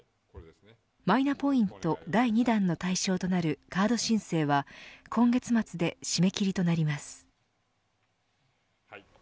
マイナポイント第２弾の対象となるカード申請は今月末で締め切りとなります。